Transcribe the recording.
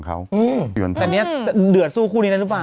แต่เนี่ยเดือดสู้คู่นี้ได้หรือเปล่า